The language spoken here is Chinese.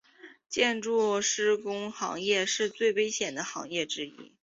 建筑施工行业是最危险的行业之一。